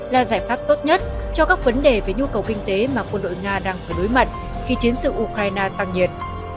là giải pháp tốt nhất cho các vấn đề về nhu cầu kinh tế mà quân đội nga đang phải đối mặt khi chiến sự ukraine tăng nhiệt